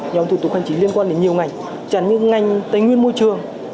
nhóm thủ tục hành chính liên quan đến nhiều ngành chẳng như ngành tài nguyên môi trường